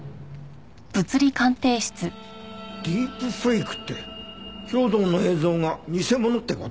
ディープフェイクって兵働の映像が偽物って事？